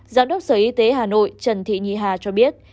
giám đốc sở y tế hà nội trần thị nhì hà cho biết